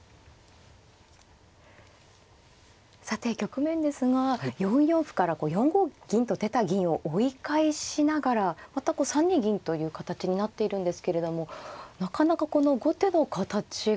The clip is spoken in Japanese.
さて局面ですが４四歩から４五銀と出た銀を追い返しながらまたこう３二銀という形になっているんですけれどもなかなかこの後手の形が。